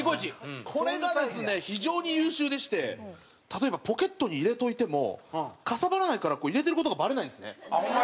これがですね非常に優秀でして例えばポケットに入れておいてもかさばらないから入れてる事がバレないんですね。